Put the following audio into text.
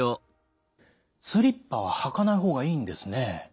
スリッパは履かない方がいいんですね。